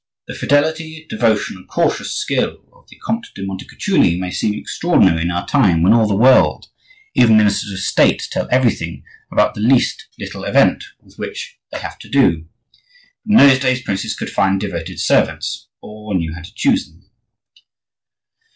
The fidelity, devotion, and cautious skill of the Comte de Montecuculi may seem extraordinary in our time, when all the world, even ministers of State, tell everything about the least little event with which they have to do; but in those days princes could find devoted servants, or knew how to choose them.